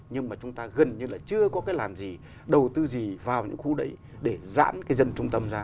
nhưng mà chúng ta gần như là chưa có cái làm gì đầu tư gì vào những khu đấy để giãn cái dân trung tâm ra